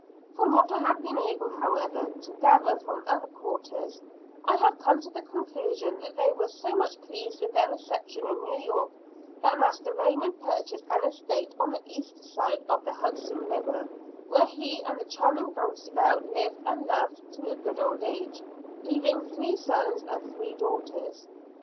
From what I have been able, however, to gather from other quarters, I have come to the conclusion that they were so much pleased with their reception in New York, that Master Raymond purchased an estate on the east side of the Hudson River, where he and the charming Dulcibel lived and loved to a good old age, leaving three sons and three daughters.